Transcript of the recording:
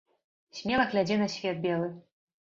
Смела глядзі на свет белы.